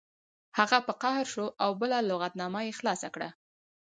هغه په قهر شو او بله لغتنامه یې خلاصه کړه